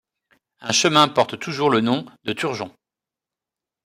Un chemin porte toujours le nom de Turgeon.